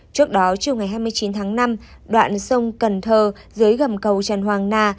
trước đó chiều ngày hai mươi chín tháng năm đoạn sông cần thơ dưới gầm cầu tràn hoàng na